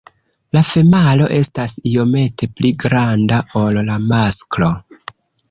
La femalo estas iomete pli granda ol la masklo.